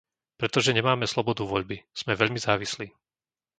Pretože nemáme slobodu voľby; sme veľmi závislí.